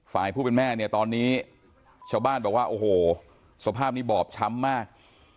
ฝ่ายผู้เป็นแม่เนี่ยตอนนี้ชาวบ้านบอกว่าโอ้โหสภาพนี้บอบช้ำมาก